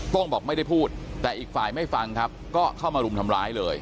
้งบอกไม่ได้พูดแต่อีกฝ่ายไม่ฟังครับก็เข้ามารุมทำร้ายเลย